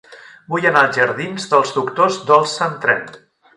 Vull anar als jardins dels Doctors Dolsa amb tren.